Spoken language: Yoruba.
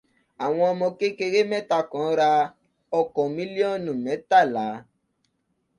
Àwọn ọmọ kékeré mẹ́ta kan ra ọkọ̀ mílíọ́nù mẹ́tàlá.